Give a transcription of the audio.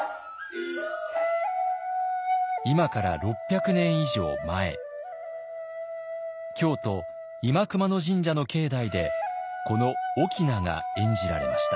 今から６００年以上前京都新熊野神社の境内でこの「翁」が演じられました。